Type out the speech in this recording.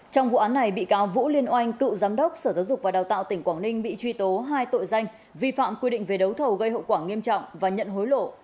trong vụ án này bị cáo vũ liên oanh cựu giám đốc sở giáo dục và đào tạo tỉnh quảng ninh bị truy tố hai tội danh vi phạm quy định về đấu thầu gây hậu quả nghiêm trọng và nhận hối lộ